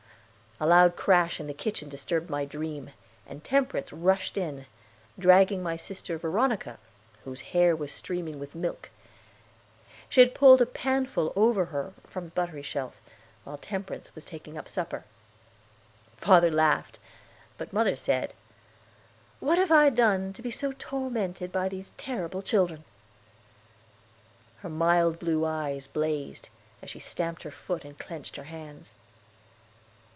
A loud crash in the kitchen disturbed my dream, and Temperance rushed in, dragging my sister Veronica, whose hair was streaming with milk; she had pulled a panful over her from the buttery shelf, while Temperance was taking up the supper. Father laughed, but mother said: "What have I done, to be so tormented by these terrible children?" Her mild blue eyes blazed, as she stamped her foot and clenched her hands.